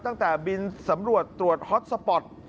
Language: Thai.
ตั้งแต่บินสำรวจตรวจฮอตสปอร์ต